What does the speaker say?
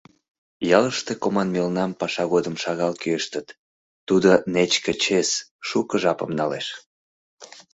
Ялыште коман мелнам паша годым шагал кӱэштыт, тудо нечке чес, шуко жапым налеш.